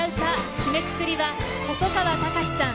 締めくくりは細川たかしさん